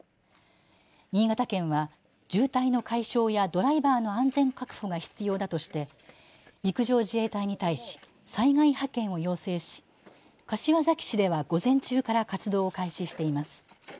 新潟県は渋滞の解消やドライバーの安全確保が必要だとして陸上自衛隊に対し災害派遣を要請し柏崎市では午前中から活動を開始しています。